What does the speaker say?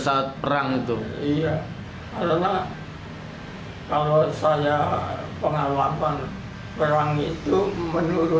kadang kadang orang mencari